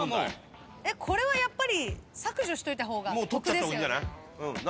これはやっぱり削除しといた方が得ですよね。